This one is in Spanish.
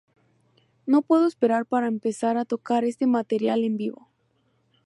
No puedo esperar para empezar a tocar este material en vivo.